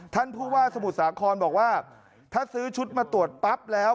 ท่านผู้ว่าสมุทรสาครบอกว่าถ้าซื้อชุดมาตรวจปั๊บแล้ว